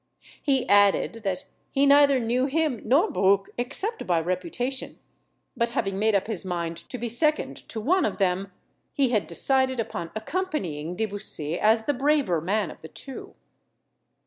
He added, that he neither knew him nor Bruc, except by reputation, but having made up his mind to be second of one of them, he had decided upon accompanying De Bussy as the braver man of the two.